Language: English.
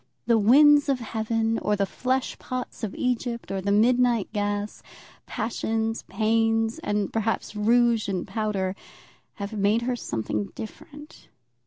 The winds of heaven, or the flesh pots of Egypt, or the midnight gas, passions, pains, and, perhaps, rouge and powder, have made her something different.